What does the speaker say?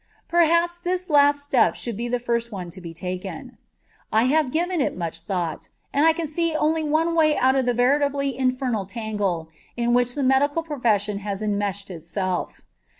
Perhaps this last step should be the first one to be taken. I have given it much thought, and can see only one way out of the veritably infernal tangle in which the medical profession has enmeshed itself.